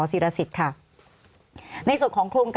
สวัสดีครับทุกคน